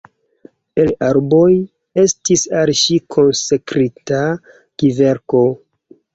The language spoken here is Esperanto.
El arboj estis al ŝi konsekrita kverko.